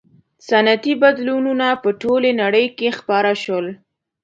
• صنعتي بدلونونه په ټولې نړۍ کې خپاره شول.